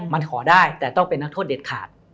มันขอได้แต่ต้องเป็นนักโทษเด็ดขาด